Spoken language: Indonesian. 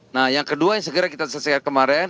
nah yang kedua yang segera kita selesaikan kemarin